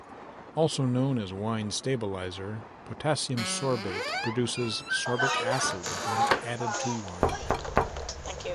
Also known as "wine stabilizer", potassium sorbate produces sorbic acid when added to wine.